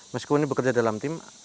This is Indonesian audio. meskipun ini bekerja dalam tim